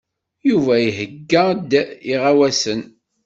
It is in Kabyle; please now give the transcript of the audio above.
Yuba iheyya-d iɣawasen.